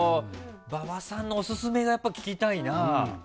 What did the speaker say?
馬場さんのオススメが聞きたいな。